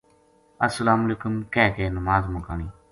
السلام علیکم کہہ کے نماز مکانی